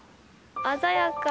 鮮やか。